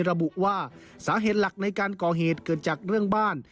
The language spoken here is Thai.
ระบุว่าสาเหตุหลักในการก่อเหตุเกิดจากเรื่องบ้าน